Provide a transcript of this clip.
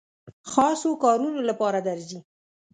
خاصو کارونو لپاره درځي.